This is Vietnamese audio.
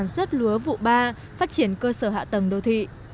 xuất lúa vụ ba phát triển cơ sở hạ tầng đô thị